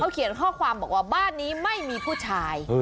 เขียนข้อความบอกว่าบ้านนี้ไม่มีผู้ชาย